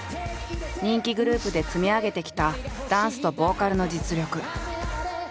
人気グループで積み上げてきたダンスとボーカルの実力。